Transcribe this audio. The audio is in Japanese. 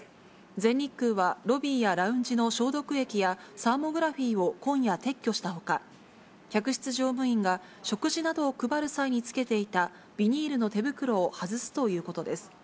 全日空はロビーやラウンジの消毒液やサーモグラフィーを今夜撤去したほか、客室乗務員が食事などを配る際につけていたビニールの手袋を外すということです。